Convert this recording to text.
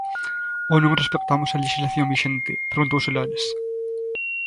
Ou non respectamos a lexislación vixente?, preguntouse Lores.